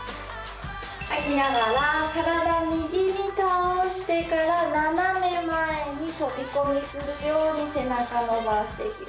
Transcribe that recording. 吐きながら体右に倒してから斜め前に飛び込みするように背中伸ばしていきます。